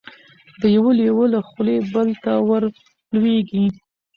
د یوه لېوه له خولې بل ته ور لوېږي